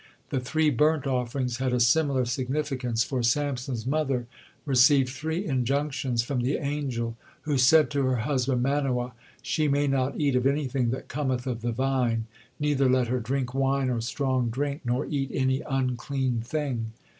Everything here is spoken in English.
The three burnt offerings had a similar significance, for Samson's mother received three injunctions from the angel, who said to her husband, Manoah: "She may not eat of anything that cometh of the vine, neither let her drink wine or strong drink, nor eat any unclean thing."